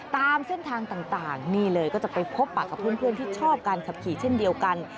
ตามเส้นทางต่างนี่เลยก็จะไปพบปากกับเพื่อนที่ชอบการขับขี่เช่นเดียวกัน